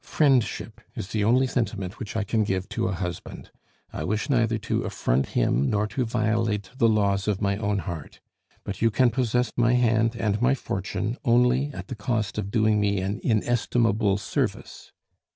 Friendship is the only sentiment which I can give to a husband. I wish neither to affront him nor to violate the laws of my own heart. But you can possess my hand and my fortune only at the cost of doing me an inestimable service."